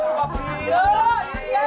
udah deh berangkat pergi pergi deh